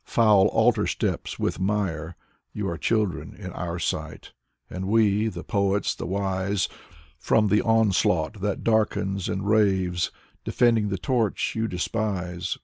Foul altar steps with mire: You are children in our sight. And we, the poets, the wise, From the onslaught that darkens and raves, Defending the torch you despise.